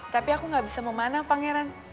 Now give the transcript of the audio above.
tapi aku gak bisa memanah pangeran